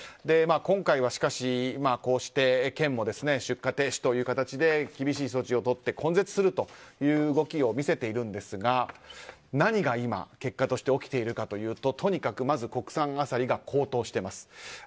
今回は、しかしこうして県も出荷停止という形で厳しい措置をとって根絶するという動きを見せているんですが何が今、結果として起きているかというととにかく、まず国産アサリが高騰しています。